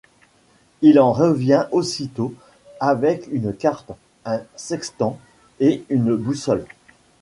Il en revient aussitôt avec une carte, un sextant et une boussole.